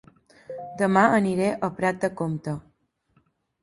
Dema aniré a Prat de Comte